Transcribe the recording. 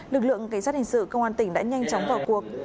lực lượng kỳ sát hình sự công an tp đã nhanh chóng vào cuộc